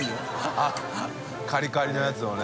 あっカリカリのやつをね。